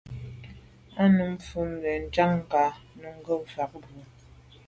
Á wʉ́ Nùmí fə̀ ə́ fáŋ ntɔ́ nkáà Nùgà fáà bɔ̀.